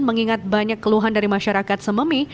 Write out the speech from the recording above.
mengingat banyak keluhan dari masyarakat sememi